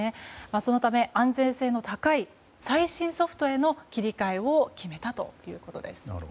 そのため、安全性の高い最新ソフトへの切り替えを決めたということです。